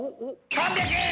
３００円！